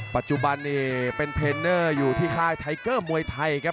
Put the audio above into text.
ปัจจุบันนี้เป็นเทรนเนอร์อยู่ที่ค่ายไทเกอร์มวยไทยครับ